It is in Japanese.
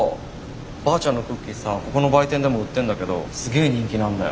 ばあちゃんのクッキーさここの売店でも売ってんだけどすげえ人気なんだよ。